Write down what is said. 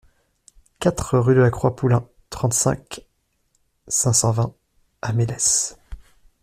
quatre rue de La Croix Poulin, trente-cinq, cinq cent vingt à Melesse